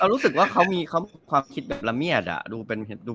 รู้สึกว่าเขามีความคิดแบบละเมียดอ่ะดูเป็นเห็ดดู